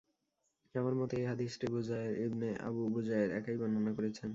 আমার মতে, এ হাদীসটি বুজায়র ইবন আবু বুজায়র একাই বর্ণনা করেছেন।